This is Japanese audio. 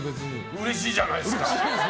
うれしいじゃないですか。